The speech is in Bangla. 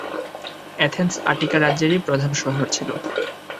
এথেন্স আটিকা রাজ্যেরই প্রধান শহর ছিল।